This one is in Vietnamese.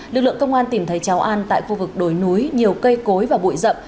lực lượng công an tìm thấy cháu an tại khu vực đồi núi nhiều cây cối và bụi rậm